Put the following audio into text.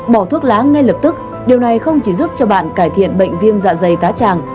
bỏ thuốc lá ngay lập tức điều này không chỉ giúp cho bạn cải thiện bệnh viêm dạ dày tá tràng